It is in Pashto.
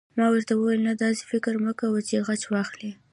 ما ورته وویل: نه، داسې فکر مه کوه چې غچ واخلې.